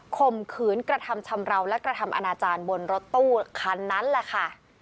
ข่มขืนกระทำชำราวและกระทำอนาจารย์บนรถตู้คันนั้นแหละค่ะ